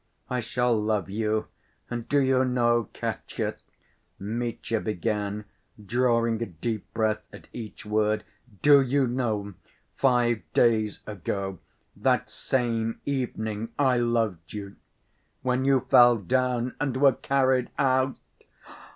"I shall love you, and ... do you know, Katya," Mitya began, drawing a deep breath at each word, "do you know, five days ago, that same evening, I loved you.... When you fell down and were carried out